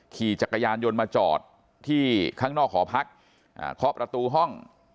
ขี่จักรยานยนต์มาจอดที่ข้างนอกหอพักเคาะประตูห้อง